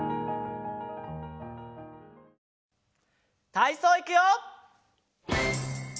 たいそういくよ！